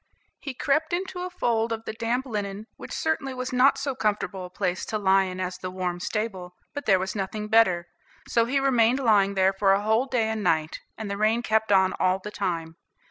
He crept into a fold of the damp linen, which certainly was not so comfortable a place to lie in as the warm stable, but there was nothing better, so he remained lying there for a whole day and night, and the rain kept on all the time.